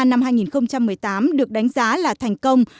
năm hai nghìn một mươi tám được đánh giá là thành công